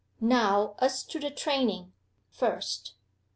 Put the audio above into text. Now, as to the training, first.